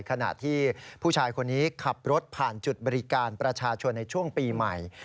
ขณะที่ผู้ชายคนนี้ขับรถผ่านจุดบริการประชาชนในช่วงปีใหม่